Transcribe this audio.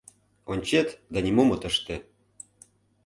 Ончет да нимом от ыште.